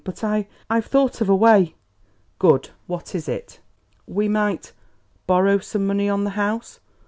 But I I've thought of a way." "Good! What is it?" "We might borrow some money on the house.